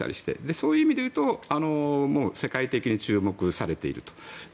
そういう意味でいうと世界的に注目されていると。